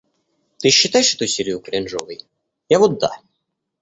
Ты считаешь эту серию кринжовой? Я вот да.